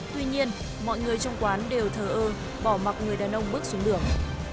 tuy nhiên mọi người trong quán đều thờ ơ bỏ mặc người đàn ông bước xuống đường